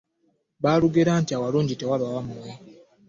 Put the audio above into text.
Baalugera dda nti awalungi tewaba wammwe.